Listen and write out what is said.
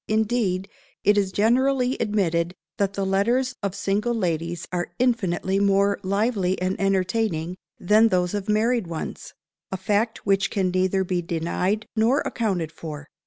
Indeed, it is generally admitted that the letters of single ladies are infinitely more lively and entertaining than those of married ones a fact which can neither be denied nor accounted for.